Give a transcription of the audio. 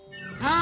あ！